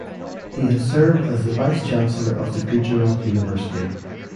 He has served as the vice chancellor of the Gujarat University.